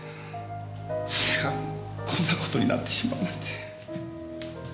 それがこんな事になってしまうなんて。